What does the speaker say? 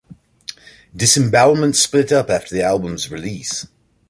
Disembowelment split up after the album's release.